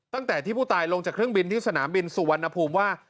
ตั้งแต่ที่ผู้ตายลงจากเครื่องบินที่สนามบินสุวรรณภูมิว่า